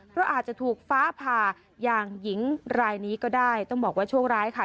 เพราะอาจจะถูกฟ้าผ่าอย่างหญิงรายนี้ก็ได้ต้องบอกว่าโชคร้ายค่ะ